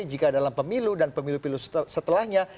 jika dalam pemilu dan pemilu pilu setelahnya